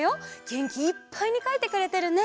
げんきいっぱいにかいてくれてるね。